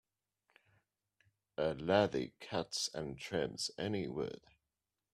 A lathe cuts and trims any wood.